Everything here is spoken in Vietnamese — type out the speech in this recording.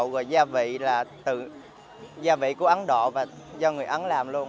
rồi gia vị là tự gia vị của ấn độ và do người ấn làm luôn